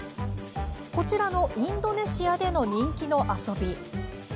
こちらインドネシアで人気の遊び。